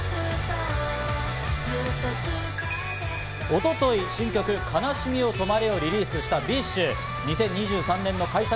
一昨日、新曲『悲しみよとまれ』をリリースしたＢｉＳＨ。